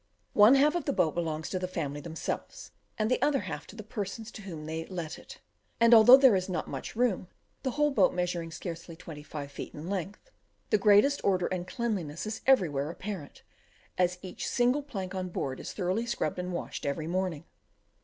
One half the boat belongs to the family themselves, and the other half to the persons to whom they let it; and although there is not much room, the whole boat measuring scarcely twenty five feet in length, the greatest order and cleanliness is everywhere apparent, as each single plank on board is thoroughly scrubbed and washed every morning.